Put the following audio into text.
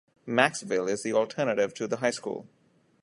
Maxville is the alternative to the high school.